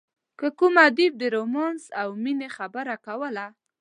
که کوم ادیب د رومانس او مینې خبره کوله.